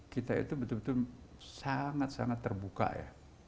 kita itu betul betul sangat sangat terbuka ya